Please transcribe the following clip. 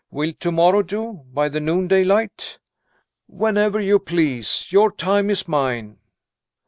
"Will to morrow do by the noonday light?" "Whenever you please. Your time is mine."